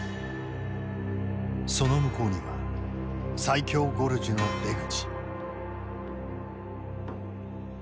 その向こうには最狭ゴルジュの出口。